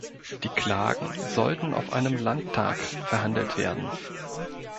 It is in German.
Die Klagen sollten auf einem Landtag verhandelt werden.